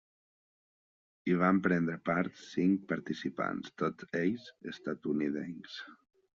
Hi van prendre part cinc participants, tots ells estatunidencs.